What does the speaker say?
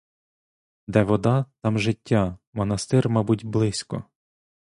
Де вода, там життя, монастир мабуть близько!